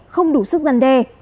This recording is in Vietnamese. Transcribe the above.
không đủ sức giăn đe